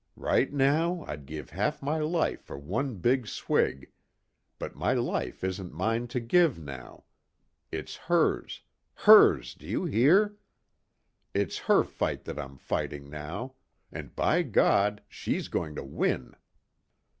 "Right now I'd give half my life for one big swig but my life isn't mine to give now. It's hers hers, do you hear! It's her fight that I'm fighting, now and, by God, she's going to win!"